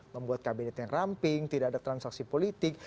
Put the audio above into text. membuat kabinet yang ramping tidak ada transaksi politik